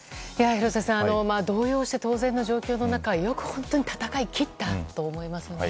廣瀬さん動揺して当然の状況の中よく本当に戦い切ったと思いますね。